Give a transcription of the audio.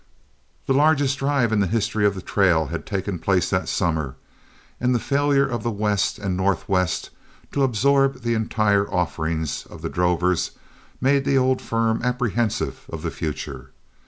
The largest drive in the history of the trail had taken place that summer, and the failure of the West and Northwest to absorb the entire offerings of the drovers made the old firm apprehensive of the future.